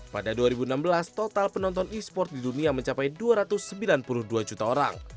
pada dua ribu enam belas total penonton e sport di dunia mencapai dua ratus sembilan puluh dua juta orang